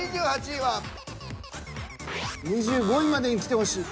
２５位までにきてほしい。